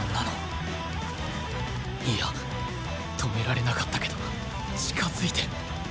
いや止められなかったけど近づいてる